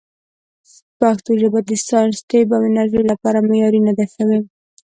پښتو ژبه د ساینس، طب، او انجنیرۍ لپاره معیاري نه ده شوې.